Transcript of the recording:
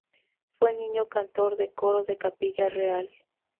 Fue niño cantor del coro de la Capilla Real.